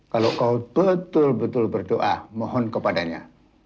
kalau kau betul betul berdoa mohon kepadanya